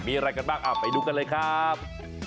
มีอะไรกันบ้างไปดูกันเลยครับ